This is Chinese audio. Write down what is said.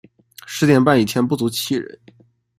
十点半以前不足七人